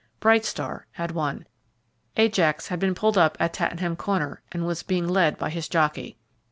Bright Star had won. Ajax had been pulled up at Tattenham Corner, and was being led by his jockey.